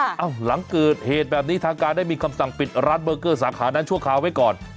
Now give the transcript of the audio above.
หลังเกิดเหตุแบบนี้ทางการได้มีคำสั่งปิดร้านเบอร์เกอร์สาขานั้นชั่วคราวไว้ก่อน